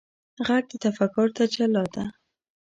غږ د فکر تجلی ده